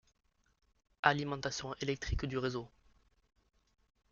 Alimentation électrique du réseau.